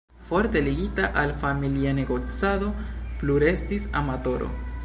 Forte ligita al familia negocado plu restis amatoro.